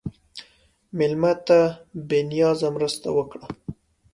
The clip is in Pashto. مېلمه ته بې نیازه مرسته وکړه.